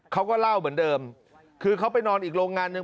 เขาก็เล่าเหมือนเดิมคือเขาไปนอนอีกโรงงานหนึ่ง